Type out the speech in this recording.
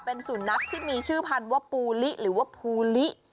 เป็นสุนัขที่มีชื่อพันธุ์ว่าปูลิหรือว่าภูลิ